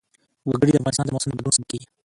وګړي د افغانستان د موسم د بدلون سبب کېږي.